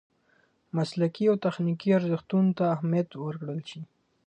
مسلکي او تخنیکي ارزښتونو ته اهمیت ورکړل شي.